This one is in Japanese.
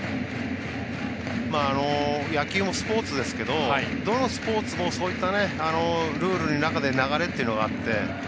野球もスポーツですけどどのスポーツもそういったルールの中で流れっていうのがあって。